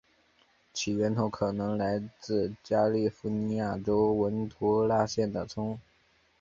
其源头可能来自加利福尼亚州文图拉县的葱。